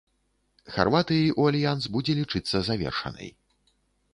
Харватыі ў альянс будзе лічыцца завершанай.